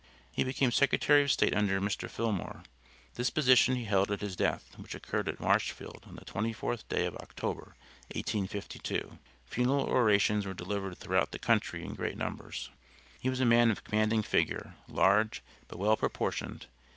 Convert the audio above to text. He became Secretary of State under Mr. Fillmore. This position he held at his death which occurred at Marshfield, on the 24th day of October, 1852. Funeral orations were delivered throughout the country in great numbers. He was a man of commanding figure, large but well proportioned.